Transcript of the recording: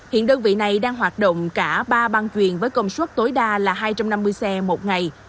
hiện đơn vị này đang hoạt động cả ba băng chuyền với công suất tối đa là hai trăm năm mươi xe một ngày